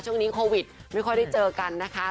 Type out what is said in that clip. ช่วงนี้โควิดไม่ค่อยได้เจอกันนะคะ